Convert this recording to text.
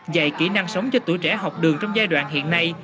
dạy kỹ năng sống cho tuổi trẻ học đường trong giai đoạn hiện nay